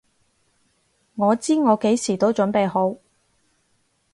我知我幾時都準備好！